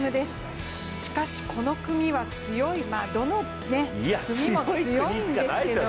しかしこの組は強い、どの組も強いんですけど。